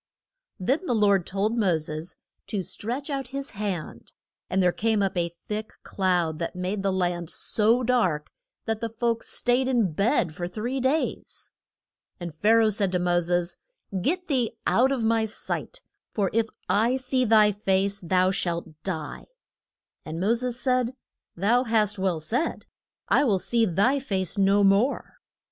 Then the Lord told Mo ses to stretch out his hand, and there came up a thick cloud that made the land so dark that the folks staid in bed for three days. And Pha ra oh said to Mo ses, Get thee out of my sight. For if I see thy face thou shalt die. And Mo ses said, Thou hast well said: I will see thy face no more.